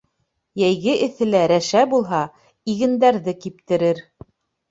Йәйге эҫелә рәшә булһа, игендәрҙе киптерер.